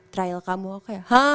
trial kamu aku kayak hah